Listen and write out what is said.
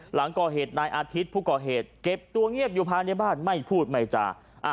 หลังก่อเหตุนายอาทิตย์ผู้ก่อเหตุเก็บตัวเงียบอยู่ภายในบ้านไม่พูดไม่จา